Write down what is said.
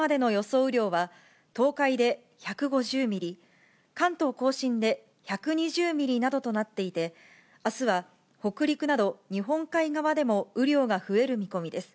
雨量は、東海で１５０ミリ、関東甲信で１２０ミリなどとなっていて、あすは北陸など、日本海側でも雨量が増える見込みです。